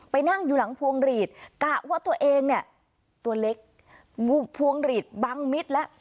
นั่งอยู่หลังพวงหลีดกะว่าตัวเองเนี่ยตัวเล็กพวงหลีดบังมิดแล้ว